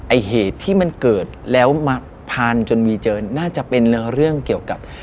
ไอ้เหตุที่มันเกิดแล้วมาพันจนมีเจอน่าจะเป็นเรื่องเกี่ยวกับ